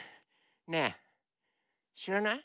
ねえしらない？